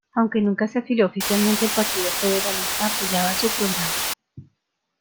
Aunque nunca se afilió oficialmente al Partido Federalista, apoyaba su programa.